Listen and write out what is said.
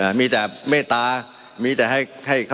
มันมีมาต่อเนื่องมีเหตุการณ์ที่ไม่เคยเกิดขึ้น